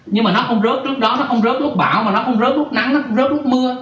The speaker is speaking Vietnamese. nhưng mà nó không rớt trước đó nó không rớt lúc bão mà nó không rớt lúc nắng nó không rớt lúc mưa